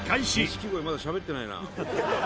錦鯉まだしゃべってないな。